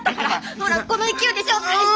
ほらこの勢いで紹介して！